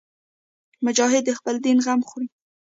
مجاهد د خپل دین غم خوري.